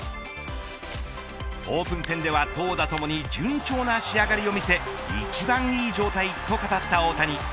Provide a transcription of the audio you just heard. オープン戦では投打ともに順調な仕上がりを見せ一番いい状態と語った大谷。